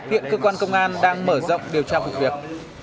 hiện cơ quan công an đang mở rộng điều tra vụ việc